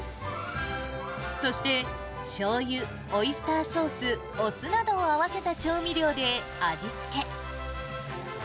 そしてしょうゆ、オイスターソース、お酢などを合わせた調味料で味付け。